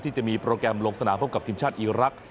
จะมีโปรแกรมลงสนามพบกับทีมชาติอีรักษ